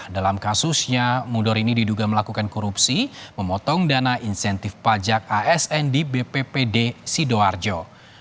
dalam kasusnya mudor ini diduga melakukan korupsi memotong dana insentif pajak asn di bppd sidoarjo